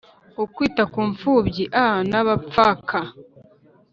ukwita ku mfubyi a n abapfaka